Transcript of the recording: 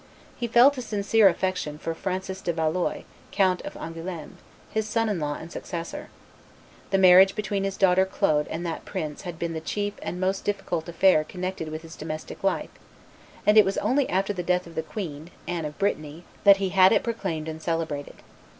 He felt a sincere affection for Francis de Valois, Count of Angouleme, his son law and successor; the marriage between his daughter Claude and that prince had been the chief and most difficult affair connected with his domestic life; and it was only after the death of the queen, Anne of Brittany, that he had it proclaimed and celebrated.